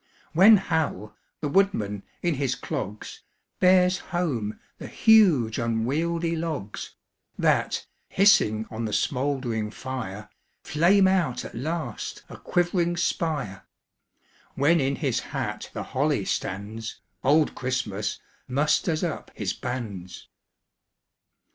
When Hal, the woodman, in his clogs, Bears home the huge unwieldy logs, That, hissing on the smouldering fire, Flame out at last a quiv'ring spire; When in his hat the holly stands, Old Christmas musters up his bands.